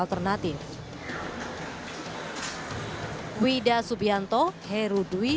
masyarakat masih mencari pengobatan lainnya